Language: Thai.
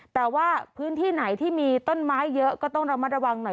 แต่ว่าพื้นที่ไหนที่มีต้นไม้เยอะก็ต้องระมัดระวังหน่อย